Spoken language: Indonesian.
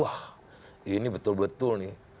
wah ini betul betul nih